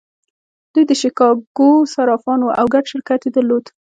دوی د شیکاګو صرافان وو او ګډ شرکت یې درلود